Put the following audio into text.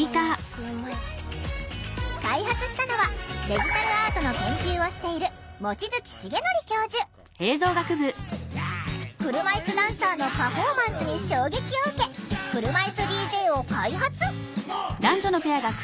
開発したのはデジタルアートの研究をしている車いすダンサーのパフォーマンスに衝撃を受け「車いすＤＪ」を開発。